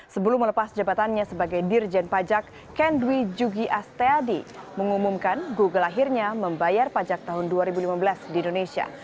sebelum melepas jabatannya sebagai dirjen pajak ken dwi jugi asteadi mengumumkan google akhirnya membayar pajak tahun dua ribu lima belas di indonesia